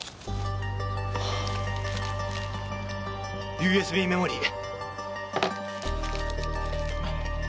ＵＳＢメモリー。